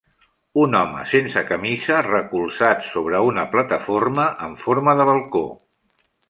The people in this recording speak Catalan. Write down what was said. un home sense camisa recolzat sobre una plataforma en forma de balcó.